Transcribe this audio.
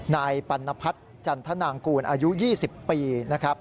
นายปัณพัฒน์จันทนางกูลอายุ๒๐ปีนะครับ